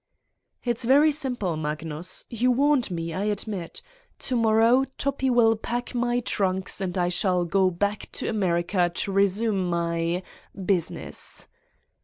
"It's very simple, Magnus ... you warned me, I admit. To morrow Toppi will pack my trunks and I shall go back to America to resume my ... business.